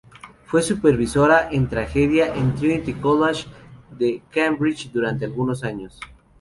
Fue supervisora en tragedia en el Trinity College de Cambridge durante algunos años.